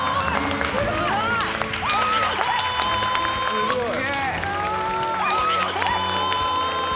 すごーい！